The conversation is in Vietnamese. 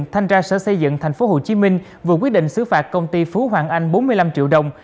tp hcm vừa quyết định xứ phạt công ty phú hoàng anh bốn mươi năm triệu đồng